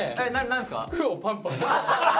何ですか？